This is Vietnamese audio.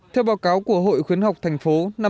theo báo cáo của hội khuyến học thành phố